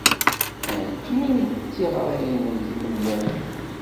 Anti ay d tiɣra-nnem timenyafin?